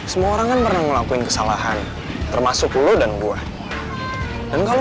semua orang pernah ngelakuin kesalahan termasuk lo dan gue dan kalau